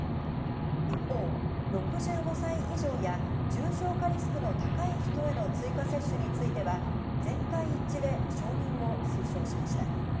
一方、６５歳以上や重症化リスクの高い人への追加接種については、全会一致で承認を推奨しました。